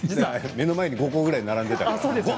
目の前に５個ぐらい並んでいたから。